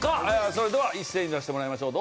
それでは一斉に出してもらいましょう。